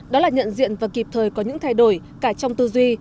đó là nhận diện và kịp thời có những thay đổi cả trong tư duy